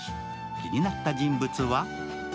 気になった人物は？